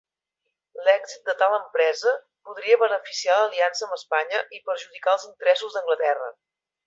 L'èxit de tal empresa podria beneficiar l'aliança amb Espanya i perjudicar els interessos d'Anglaterra.